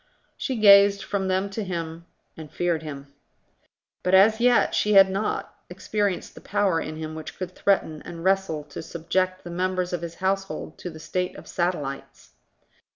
She gazed from them to him, and feared him. But as yet she had not experienced the power in him which could threaten and wrestle to subject the members of his household to the state of satellites.